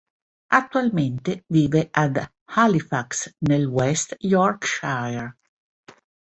Attualmente vive ad Halifax, nel West Yorkshire.